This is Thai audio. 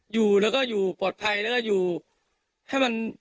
อยู่แล้วก็อยู่ปลอดภัยแล้วก็อยู่ให้มัน